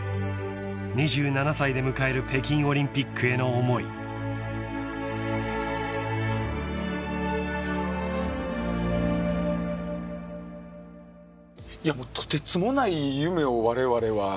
［２７歳で迎える北京オリンピックへの思い］とてつもない夢をわれわれは。